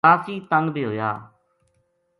کافی تنگ بے ہویا